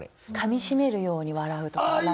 「噛みしめるように笑う」とか？